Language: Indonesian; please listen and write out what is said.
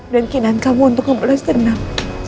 dan kinan kamu untuk kembali senang